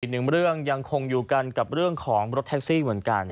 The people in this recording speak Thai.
อีกหนึ่งเรื่องยังคงอยู่กันกับเรื่องของรถแท็กซี่เหมือนกัน